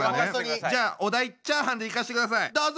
じゃあお題チャーハンでいかしてくださいどうぞ。